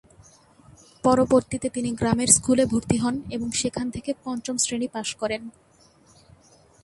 পরবর্তীতে তিনি গ্রামের স্কুলে ভর্তি হন এবং সেখান থেকে পঞ্চম শ্রেণী পাস করেন।